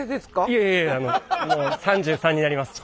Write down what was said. いえいえあのもう３３になります。